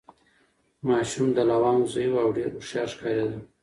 ماشوم د لونګ زوی و او ډېر هوښیار ښکارېده.